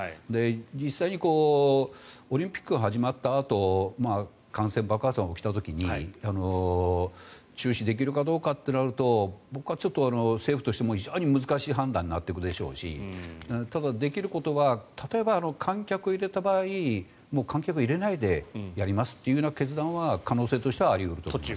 実際にオリンピックが始まったあと感染爆発が起きた時に中止できるかどうかとなると僕は政府としても非常に難しい判断になっていくでしょうしただ、できることは例えば観客を入れた場合観客を入れないでやりますっていう決断は可能性としてはあり得ると思います。